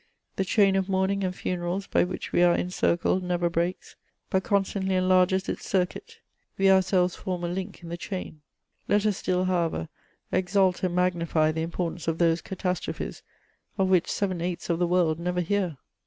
The chain of mourning •and funerals by which we are encircled never breaks, but con stantly enlarges its circuit: we ourselves form a Unk in the chain. Let us still, however, exalt and magnify the importance of those catastrophes of which seven eighths of the world never hear!